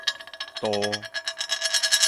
竇